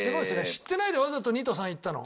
知ってないでわざと２と３いったの？